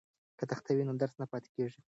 که تخته وي نو درس نه پاتې کیږي.